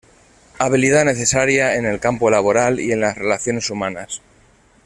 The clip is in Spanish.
Habilidad necesaria en el campo laboral y en las relaciones humanas.